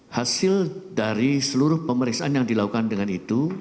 hasil dari seluruh pemeriksaan yang dilakukan dengan itu